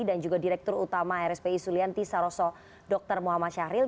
dan juga direktur utama rspi sulianti saroso dr muhammad syahril